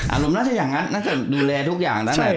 น่าจะอย่างนั้นน่าจะดูแลทุกอย่างนั่นแหละ